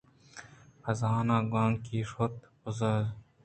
بِہ زاں کانگی شُت بُرز ءَ